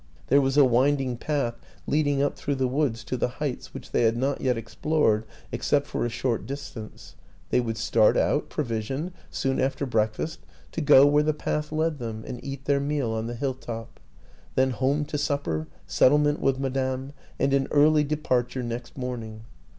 There was a winding path leading up through the woods to the heights which they had not yet explored except for a short distance ; they would start out, provisioned, soon after breakfast, to go where the path led them, and eat their meal on the hill top. Then home to supper, settlement with Madame, and an early departure next morning.